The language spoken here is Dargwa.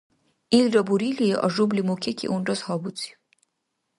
Илра бурили, Ажубли мукеки унрас гьабуциб.